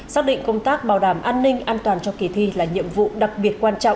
xác định công tác bảo đảm an ninh an toàn cho kỳ thi là nhiệm vụ đặc biệt quan trọng